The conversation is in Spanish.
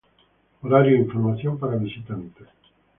Horario e Información para Visitantes